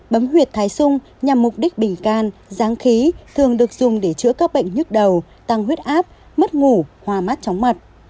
bấm huyệt thái sung nhằm mục đích bình can ráng khí thường được dùng để chữa các bệnh nhức đầu tăng huyết áp mất ngủ hoa mát chóng mặt